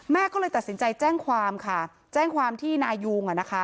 ก็เลยตัดสินใจแจ้งความค่ะแจ้งความที่นายุง